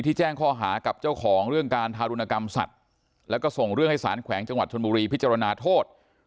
แจ้งข้อหากับเจ้าของเรื่องการทารุณกรรมสัตว์แล้วก็ส่งเรื่องให้สารแขวงจังหวัดชนบุรีพิจารณาโทษ